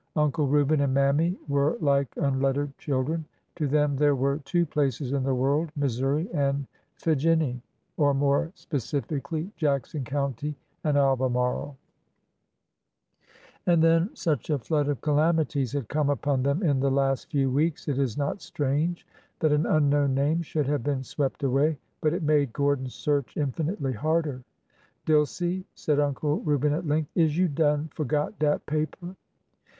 Uncle Reuben and Mammy were like unlettered chil dren. To them there were two places in the world— Mis souri and Figinny,"— or, more specifically, Jackson County and Albemarle. And, then, such a flood of calamities had come upon them in the last few weeks it is not strange that an un known name should have been swept away. But it made Gordon's search infinitely harder. Dilsey," said Uncle Reuben at length, is you done forgot dat paper